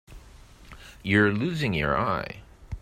You're losing your eye.